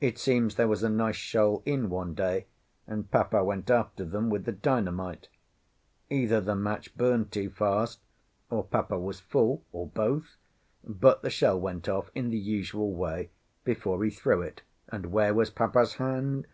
It seems there was a nice shoal in one day, and papa went after them with the dynamite; either the match burned too fast, or papa was full, or both, but the shell went off (in the usual way) before he threw it, and where was papa's hand?